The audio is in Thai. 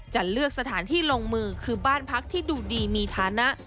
จะเลือกสถานที่ลงมือคือบ้านพักที่ดูดีมีฐานะ